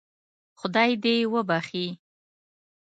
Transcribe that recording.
خدای دې وبخښي.